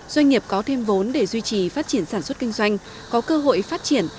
doanh nghiệp có thêm vốn để duy trì phát triển sản xuất kinh doanh có cơ hội phát triển